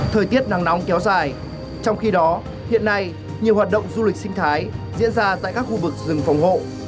thời tiết nắng nóng kéo dài trong khi đó hiện nay nhiều hoạt động du lịch sinh thái diễn ra tại các khu vực rừng phòng hộ